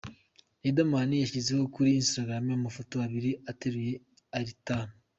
Riderman, yashyizeho kuri Instagram amafoto abiri ateruye Eltad.